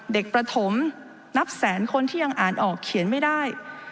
ประถมนับแสนคนที่ยังอ่านออกเขียนไม่ได้